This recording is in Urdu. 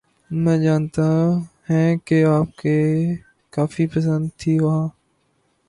میں جانتا ہیںں کہ آپ کیں کافی پسند تھیں وہاں